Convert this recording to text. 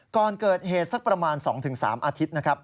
ก่อนเกิดเหตุสักประมาณ๒๓อาทิตย์นะครับ